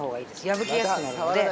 破けやすくなるので。